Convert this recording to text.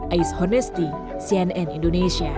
ais honesti cnn indonesia